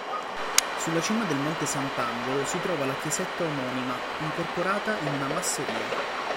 Sulla cima del monte Sant'Angelo si trova la chiesetta omonima, incorporata in una masseria.